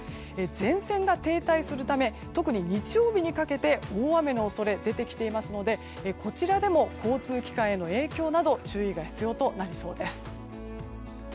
前線が停滞するため特に日曜日にかけて大雨の恐れ出てきていますのでこちらでも交通機関への影響に注意が必要となりそうです。